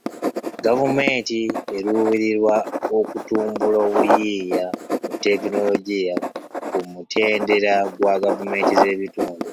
Gavumenti eruubirira okutumbula obuyiiya mu tekinologiya ku mutendera gwa gavumenti z'ebitundu.